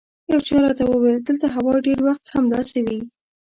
یو چا راته وویل دلته هوا ډېر وخت همداسې وي.